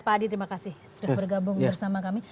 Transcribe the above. pak adi terima kasih sudah bergabung bersama kami